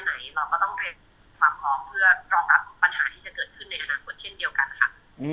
ไหนเราก็ต้องเตรียมความพร้อมเพื่อรองรับปัญหาที่จะเกิดขึ้นในอนาคตเช่นเดียวกันค่ะ